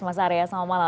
mas arya selamat malam